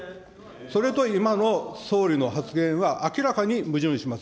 それと今の総理の発言は明らかに矛盾します。